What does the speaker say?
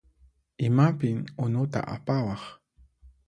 Imapin unuta apawaq?